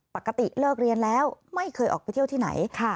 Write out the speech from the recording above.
ปกติเลิกเรียนแล้วไม่เคยออกไปเที่ยวที่ไหน